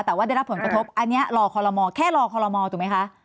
แต่ว่าได้รับผลกระทบอันนี้รอคอลโมแค่รอคอลโมถูกไหมคะ